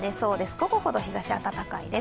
午後ほど日ざしは温かいです。